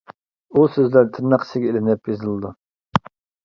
ئۇ سۆزلەر تىرناق ئىچىگە ئېلىنىپ يېزىلىدۇ.